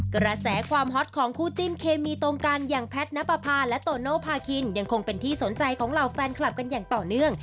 กระแสความฮอตของคู่จิ้นเคมีตรงกันอย่างแพทย์นับประพาและโตโนภาคินยังคงเป็นที่สนใจของเหล่าแฟนคลับกันอย่างต่อเนื่อง